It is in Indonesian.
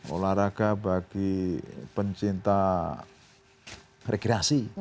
olahraga bagi pencinta rekreasi